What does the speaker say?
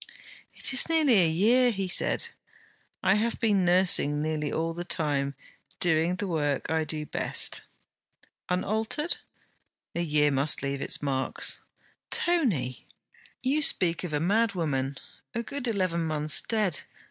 'It is nearly a year!' he said. 'I have been nursing nearly all the time, doing the work I do best.' 'Unaltered?' 'A year must leave its marks.' 'Tony!' 'You speak of a madwoman, a good eleven months dead.